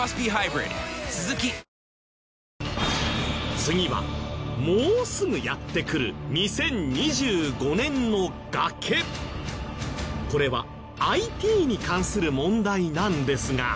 次はもうすぐやって来るこれはＩＴに関する問題なんですが。